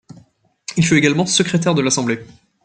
Il fut également secrétaire de l'assemblée.